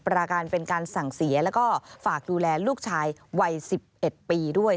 ราการเป็นการสั่งเสียแล้วก็ฝากดูแลลูกชายวัย๑๑ปีด้วย